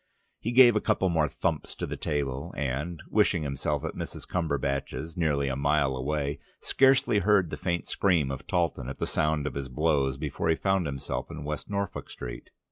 He gave a couple more thumps to the table and, wishing himself at Mrs. Cumberbatch's nearly a mile away, scarcely heard the faint scream of Talton at the sound of his blows before he found himself in West Norfolk Street.